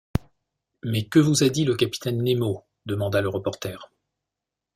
Mais que vous a dit le capitaine Nemo demanda le reporter